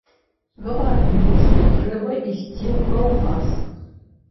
Гаварылі, што трэба ісці ў калгас.